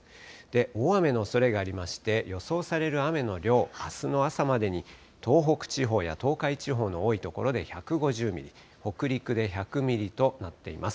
大雨のおそれがありまして、予想される雨の量、あすの朝までに東北地方や東海地方の多い所で１５０ミリ、北陸で１００ミリとなっています。